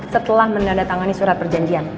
setelah menandatangani surat perjanjian